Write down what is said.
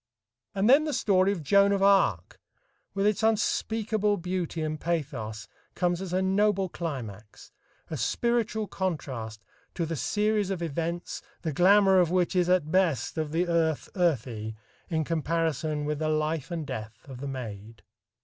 And then the story of Joan of Arc, with its unspeakable beauty and pathos, comes as a noble climax, a spiritual contrast, to the series of events the glamour of which is at best of the earth earthy in comparison with the life and death of the Maid.